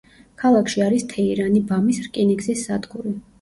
ქალაქში არის თეირანი–ბამის რკინიგზის სადგური.